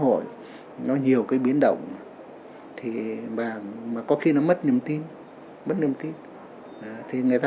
tin là trong xã hội nó nhiều cái biến động thì mà có khi nó mất niềm tin mất niềm tin thì người ta